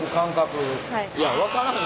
いや分からへん。